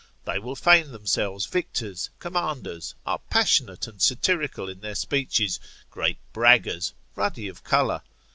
They will feign themselves victors, commanders, are passionate and satirical in their speeches, great braggers, ruddy of colour.